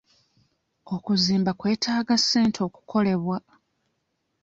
Okuzimba kwetaaga ssente okukolebwa.